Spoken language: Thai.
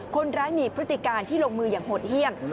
คนร้ายมีพฤติการณ์ที่ลงมือยังโหดเหี่ยง